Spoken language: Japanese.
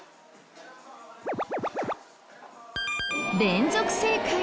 連続正解！